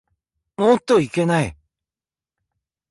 おっといけない。